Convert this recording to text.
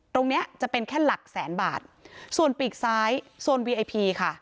ตรงเนี้ยจะเป็นแค่หลักแสนบาทส่วนปีกซ้ายโซนวีไอพีค่ะ